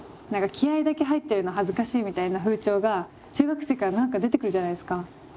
何か気合いだけ入ってるの恥ずかしいみたいな風潮が中学生から何か出てくるじゃないですか。